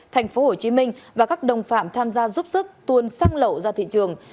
thành phố hồ chí minh và các đồng phạm tham gia giúp sức tuôn xăng lậu ra thị trường